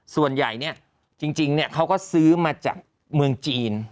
ส่วนใหญ่เนี่ยจริงเขาก็ซื้อมาจากเมืองจีน